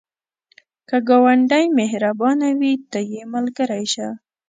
که ګاونډی مهربانه وي، ته یې ملګری شه